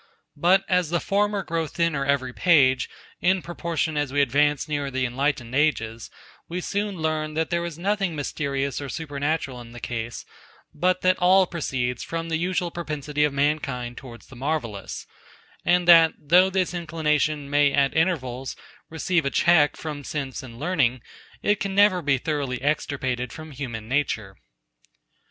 But as the former grow thinner every page, in proportion as we advance nearer the enlightened ages, we soon learn, that there is nothing mysterious or supernatural in the case, but that all proceeds from the usual propensity of mankind towards the marvellous, and that, though this inclination may at intervals receive a check from sense and learning, it can never be thoroughly extirpated from human nature.